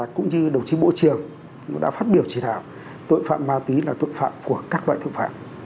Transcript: cũng như đồng chí bộ trưởng đã phát biểu chỉ thảo tội phạm ma túy là tội phạm của các loại thực phạm